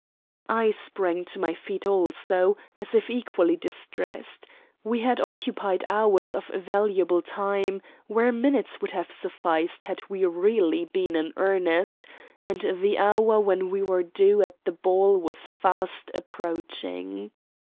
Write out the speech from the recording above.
I sprang to my feet also, as if equally distressed. We had occupied hours of valuable time where minutes would have sufficed had we really been in earnest; and the hour when we were due at the ball was fast approaching.